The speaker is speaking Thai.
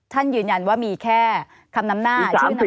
ท่านยืนยันว่ามีแค่คำน้ำหน้าชื่อนามสักครู่